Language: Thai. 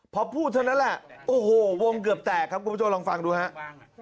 พอพูดเท่านั้นแหละโอ้โหวงเกือบแตกครับคุณผู้ชมลองฟังดูครับ